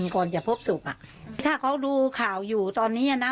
ก่อนจะพบศพอืมก่อนจะพบศพอ่ะถ้าเขาดูข่าวอยู่ตอนนี้น่ะ